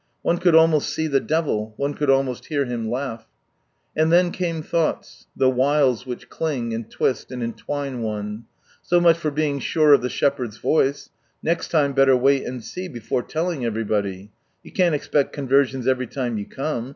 One could almost see the devil, one could almost hear him laugh. And then came thoughts, the " wiles " which cling, and twist, and entwine one. "So much for being sure of the Shepherd's voice. Next time better wait and see, before telling everybody. You can't expect conversions every time you come.